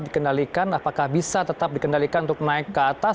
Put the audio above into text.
dikendalikan apakah bisa tetap dikendalikan untuk naik ke atas